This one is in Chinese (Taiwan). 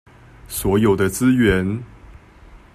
所有的資源